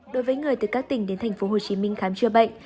đối với người từ các tỉnh đến thành phố hồ chí minh khám trưa bệnh